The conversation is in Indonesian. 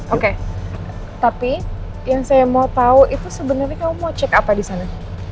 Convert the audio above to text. oke tapi yang saya mau tahu itu sebenarnya kamu mau cek apa di sana